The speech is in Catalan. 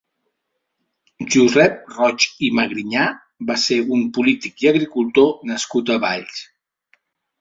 Josep Roig i Magrinyà va ser un polític i agricultor nascut a Valls.